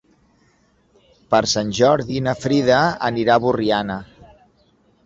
Per Sant Jordi na Frida anirà a Borriana.